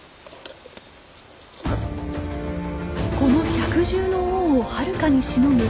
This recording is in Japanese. この百獣の王をはるかにしのぐ